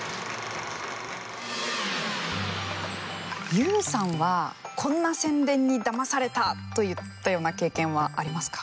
ＹＯＵさんはこんな宣伝にだまされたといったような経験はありますか。